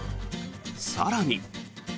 更に。